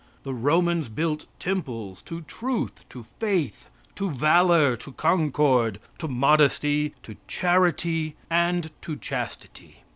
The Romans built temples to Truth, to Faith, to Valor, to Concord, to Modesty, to Charity and to Chastity.